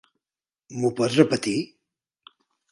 Mho pot repetir?